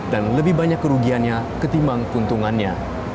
dan lebih banyak kerugiannya ketimbang keuntungannya